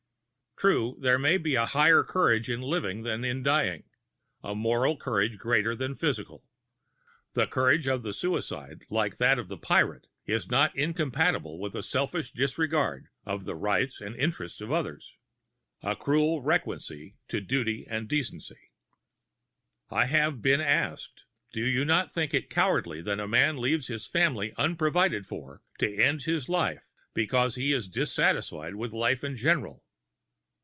True, there may be a higher courage in living than in dying a moral courage greater than physical. The courage of the suicide, like that of the pirate, is not incompatible with a selfish disregard of the rights and interests of others a cruel recreancy to duty and decency. I have been asked: "Do you not think it cowardly when a man leaves his family unprovided for, to end his life, because he is dissatisfied with life in general?"